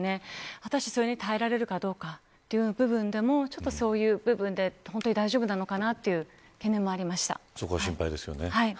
果たしてそれに耐えられるかどうかという部分でもちょっとそういう部分で本当に大丈夫なのかなというそこが心配ですよね。